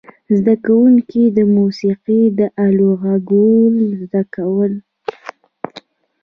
زده کوونکو د موسیقي د آلو غږول زده کول.